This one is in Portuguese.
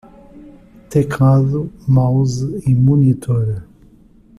Teclado, mouse e monitor.